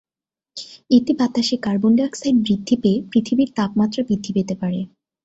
এতে বাতাসে carbon dioxide বৃদ্ধি পেয়ে পৃথিবীর তাপমাত্রা বৃদ্ধি পেতে পারে।